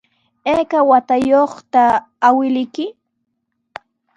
¿Ayka watayuqta awkilluyki?